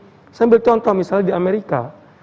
saya ambil contoh misalnya di amerika